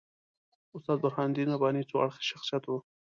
استاد برهان الدین رباني څو اړخیز شخصیت وو.